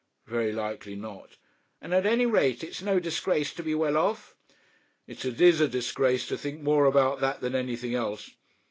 'Very likely not.' 'And at any rate, it is no disgrace to be well off.' 'It is a disgrace to think more about that than anything else.